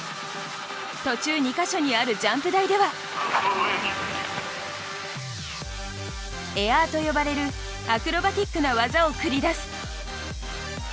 途中２か所にあるジャンプ台ではエアと呼ばれるアクロバティックな技を繰り出す！